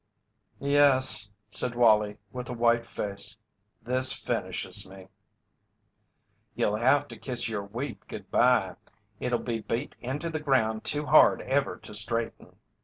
"Yes," said Wallie with a white face. "This finishes me." "You'll have to kiss your wheat good bye. It'll be beat into the ground too hard ever to straighten."